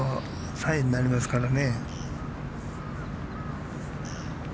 ３位になりますからね。